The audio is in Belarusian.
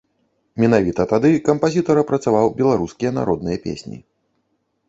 Менавіта тады кампазітар апрацаваў беларускія народныя песні.